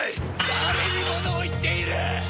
誰にものを言っている！